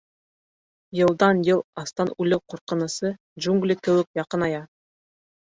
Йылдан-йыл астан үлеү ҡурҡынысы, джунгли кеүек, яҡыная...